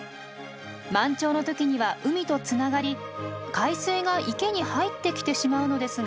満潮の時には海とつながり海水が池に入ってきてしまうのですが。